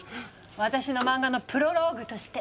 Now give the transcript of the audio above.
私の漫画のプロローグとして。